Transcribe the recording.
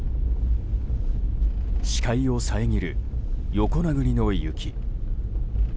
視界を遮る横殴りの雪。